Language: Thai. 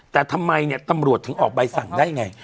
แต่ทำไมเนี่ยตำรวจถึงออกใบสั่งได้ยังไง